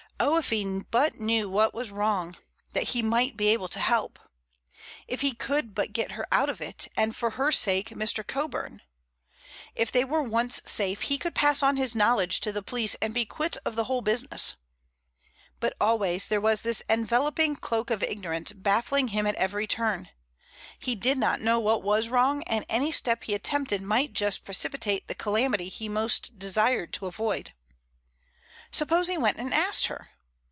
Oh, if he but knew what was wrong, that he might be able to help! If he could but get her out of it, and for her sake Mr. Coburn! If they were once safe he could pass on his knowledge to the police and be quit of the whole business. But always there was this enveloping cloak of ignorance baffling him at every turn. He did not know what was wrong, and any step he attempted might just precipitate the calamity he most desired to avoid. Suppose he went and asked her?